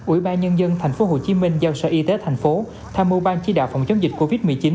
ủy ban nhân dân thành phố hồ chí minh giao sở y tế thành phố tham mưu ban chí đạo phòng chống dịch covid một mươi chín